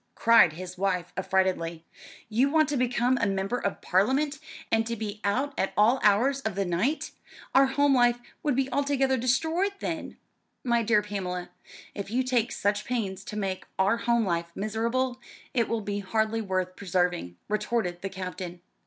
cried his wife affrightedly. "You want to become a Member of Parliament, and to be out at all hours of the night! Our home life would be altogether destroyed then." "My dear Pamela, if you take such pains to make our home life miserable, it will be hardly worth preserving," retorted the Captain.